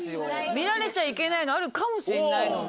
見られちゃいけないのあるかもしんないのに。